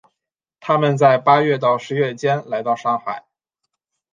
他们在八月到十月间来到上海。